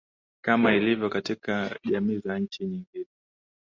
kama ilivyo katika jamii za nchi nyingine